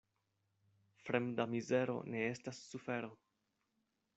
Fremda mizero ne estas sufero.